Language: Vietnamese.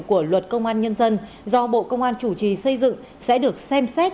của luật công an nhân dân do bộ công an chủ trì xây dựng sẽ được xem xét